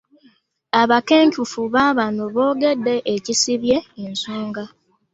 Abakenkufu baabano boogedde ekisibye ensonga.